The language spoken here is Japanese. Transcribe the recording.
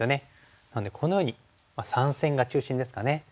なのでこのように３線が中心ですかね。